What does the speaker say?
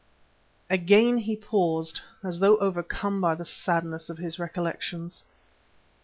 Again he paused, as though overcome by the sadness of his recollections.